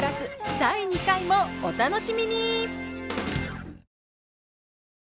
第２回もお楽しみに！